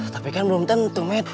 tapi kan belum tentu made